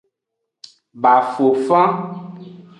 Bafofan.